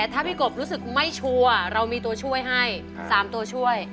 ถ้าพี่กบรู้สึกไม่ชัวร์เรามีตัวช่วยให้๓ตัวช่วย